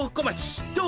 どう？